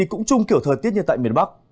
cũng chung kiểu thời tiết như tại miền bắc